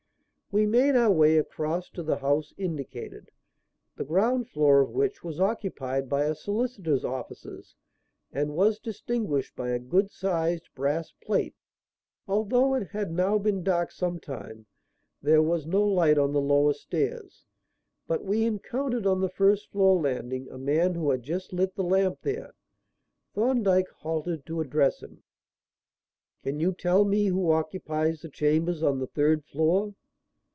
We made our way across to the house indicated, the ground floor of which was occupied by a solicitor's offices and was distinguished by a good sized brass plate. Although it had now been dark some time there was no light on the lower stairs, but we encountered on the first floor landing a man who had just lit the lamp there. Thorndyke halted to address him. "Can you tell me who occupies the chambers on the third floor?"